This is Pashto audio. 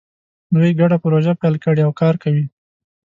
دوی ګډه پروژه پیل کړې او کار کوي